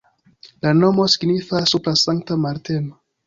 La nomo signifas supra Sankta Marteno.